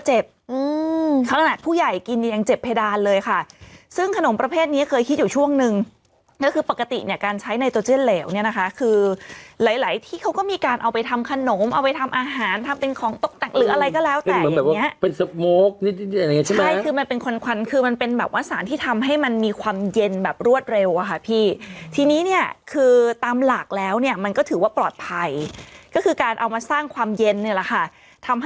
เจ็บเพดานเลยค่ะซึ่งขนมประเภทนี้เคยคิดอยู่ช่วงนึงก็คือปกติเนี่ยการใช้ในตัวเจ่นเหลวเนี่ยนะคะคือหลายที่เขาก็มีการเอาไปทำขนมเอาไปทำอาหารทำเป็นของตกตักหรืออะไรก็แล้วแต่อย่างเงี้ยคือมันเป็นควรควรคือมันเป็นแบบว่าสารที่ทำให้มันมีความเย็นแบบรวดเร็วค่ะพี่ทีนี้เนี่ยคือตามหลากแล้วเนี่ยม